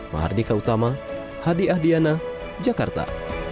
mahardika utama hadi ahdiana jakarta